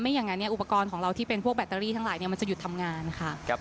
อย่างนั้นอุปกรณ์ของเราที่เป็นพวกแบตเตอรี่ทั้งหลายมันจะหยุดทำงานค่ะ